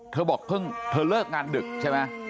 เธอบอกเพิ่งเธอเลิกงานดึกใช่ไหม